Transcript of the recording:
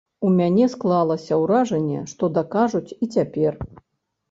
У мяне склалася ўражанне, што дакажуць і цяпер.